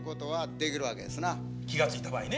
気が付いた場合ね。